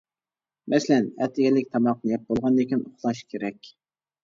مەسىلەن: ئەتىگەنلىك تاماقنى يەپ بولغاندىن كېيىن ئۇخلاش كېرەك.